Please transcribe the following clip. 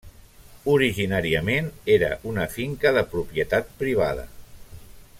Originàriament era una finca de propietat privada.